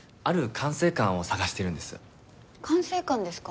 管制官ですか？